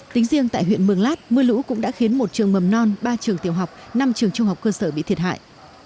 tính riêng tại huyện mường lát mưa lũ cũng đã khiến một trường mầm non ba trường tiểu học năm trường trung học cơ sở bị thiệt hại